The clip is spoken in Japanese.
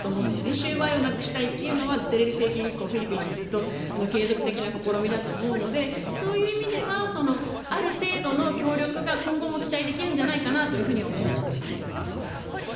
収賄をなくしたいというのはドゥテルテ政権以降フィリピンの継続的なほころびだと思うのでそういう意味ではある程度の協力が今後も期待できるんじゃないかなと思うんですけどね。